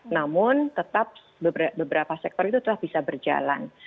namun tetap beberapa sektor itu telah bisa berjalan